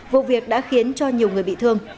vụ việc đã khiến cho nhiều người bị thương